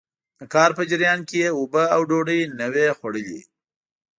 د کار په جريان کې يې اوبه او ډوډۍ نه وو خوړلي.